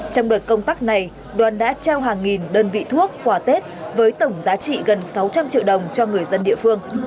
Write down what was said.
trong đợt công tác này đoàn đã trao hàng nghìn đơn vị thuốc quả tết với tổng giá trị gần sáu trăm linh triệu đồng cho người dân địa phương